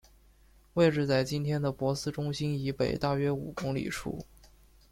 位置在今天的珀斯中心以北大约五公里处。